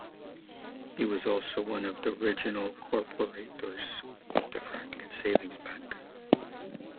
He was also one of the original corporators of the Franklin Savings Bank.